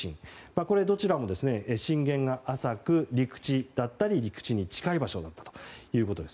これは、どちらも震源が浅く、陸地だったり陸地に近い場所だということです。